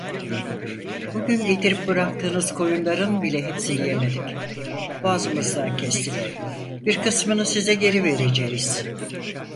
Bugün getirip bıraktığınız koyunların bile hepsini yemedik, boğazımızdan kestik, bir kısmını size geri vereceğiz.